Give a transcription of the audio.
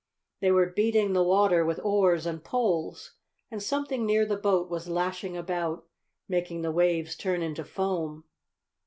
They were beating the water with oars and poles, and something near the boat was lashing about, making the waves turn into foam.